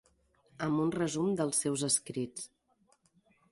Amb un resum dels seus escrits.